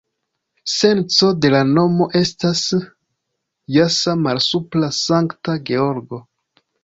Senco de la nomo estas jasa-malsupra-Sankta-Georgo.